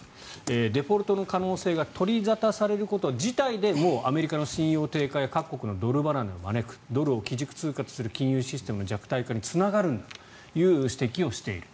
デフォルトの可能性が取り沙汰されること自体でもうアメリカの信用低下や各国のドル離れを招くドルを基軸通貨とする金融システムの弱体化につながるんだという指摘をしている。